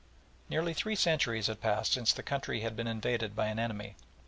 Nearly three centuries had passed since the country had been invaded by an enemy.